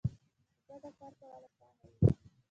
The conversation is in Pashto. په ګډه کار کول اسانه وي